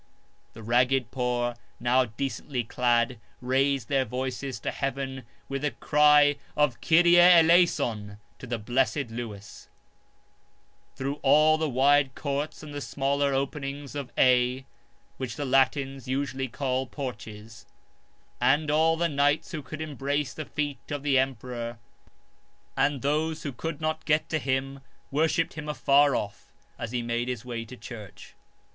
The ragged poor, now decently clad, raised their voices to heaven with the cry of "* Kyrie Eleison * to the blessed Lewis" through all the wide courts and the smaller openings of Aix (which the Latins usually call porches); and all the knights who could embraced the feet of the emperor ; and those who could not get to him wor shipped him afar off as he made his way to church.